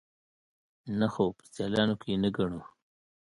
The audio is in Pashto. _نه، خو په سيالانو کې يې نه ګڼو.